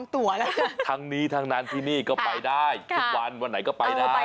ตัวแล้วทั้งนี้ทั้งนั้นที่นี่ก็ไปได้ทุกวันวันไหนก็ไปได้